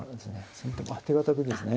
先手もあっ手堅くですね。